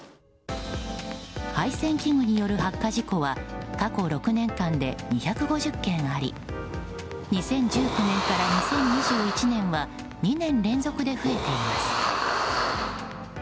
配線器具による発火事故は過去６年間で２５０件あり２０１９年から２０２１年は２年連続で増えています。